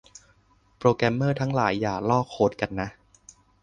โปรแกรมเมอร์ทั้งหลาย อย่าลอกโค้ดกันนะ